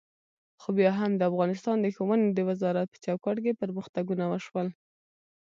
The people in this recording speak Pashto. خو بیا هم د افغانستان د ښوونې د وزارت په چوکاټ کې پرمختګونه وشول.